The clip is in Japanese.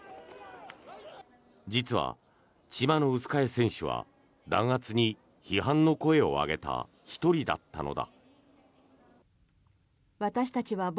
実はチマノウスカヤ選手は弾圧に批判の声を上げた１人だったのだ。